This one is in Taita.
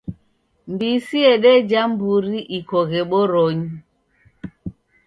Mbisi yedeja mburi ikoghe boronyi.